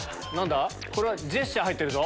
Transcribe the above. これはジェスチャー入ってるぞ。